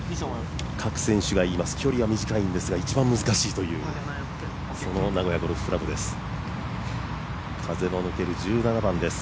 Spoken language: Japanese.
各選手が言います、距離は短いんですが一番難しいというその名古屋ゴルフ倶楽部です。